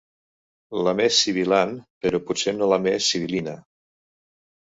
La més sibil·lant, però potser no la més sibil·lina.